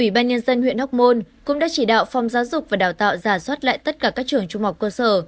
ủy ban nhân dân huyện hóc môn cũng đã chỉ đạo phòng giáo dục và đào tạo giả soát lại tất cả các trường trung học cơ sở